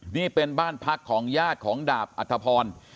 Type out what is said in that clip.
นี่เป็นบ้านพักของญาติของดาบอัธพร